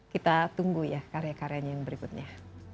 kita tunggu ya karya karyanya yang berikutnya